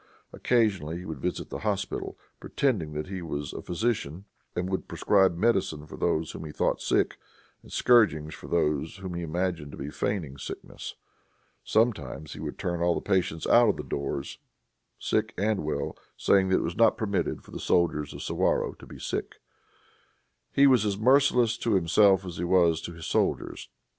Occasionally he would visit the hospital, pretending that he was a physician, and would prescribe medicine for those whom he thought sick, and scourgings for those whom he imagined to be feigning sickness. Sometimes he would turn all the patients out of the doors, sick and well, saying that it was not permitted for the soldiers of Suwarrow to be sick. He was as merciless to himself as he was to his soldiers.